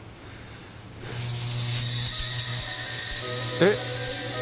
えっ？